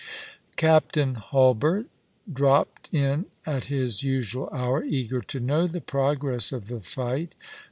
Captain Hulbert dropped in at his usual hour, eager to know the progress of the fight.